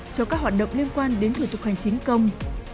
cho các hoạt động liên quan đến thủ tục hành chính công